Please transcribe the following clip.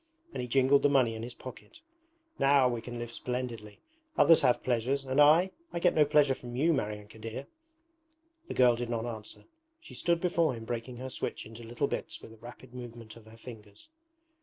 and he jingled the money in his pocket. 'Now we can live splendidly. Others have pleasures, and I? I get no pleasure from you, Maryanka dear!' The girl did not answer. She stood before him breaking her switch into little bits with a rapid movement of her fingers.